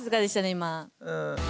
今。